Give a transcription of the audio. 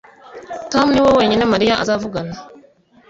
Tom niwe wenyine Mariya azavugana